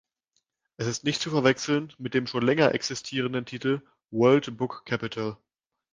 Es ist nicht zu verwechseln mit dem schon länger existierenden Titel "World Book Capital".